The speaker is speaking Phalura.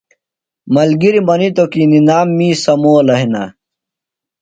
ملگِری منِیتوۡ کی نِنام می سمولہ ہِنہ۔